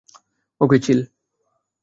ওকে, চিল!